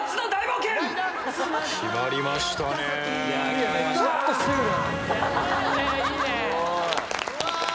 決まりましたねうわ